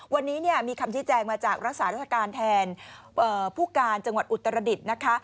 วันนี้มีคำชี้แจงมาจากรักษาราชการแทนผู้การจังหวัดอุตรดิษฐ์นะคะ